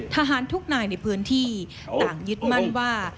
ทหารทุกนายในพื้นที่ต่างยึดมั่นว่า